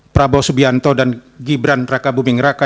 prabowo subianto dan gibran raka buming raka